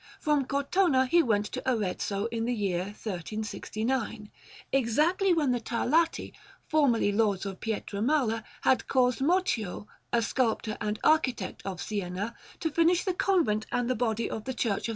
From Cortona he went to Arezzo in the year 1369, exactly when the Tarlati, formerly Lords of Pietramala, had caused Moccio, a sculptor and architect of Siena, to finish the Convent and the body of the Church of S.